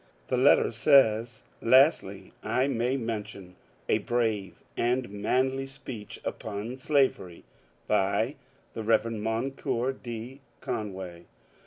The letter says :^^ Lastly, I may mention a brave and manly speech upon slavery, by the Rev. Moncure D. Conway.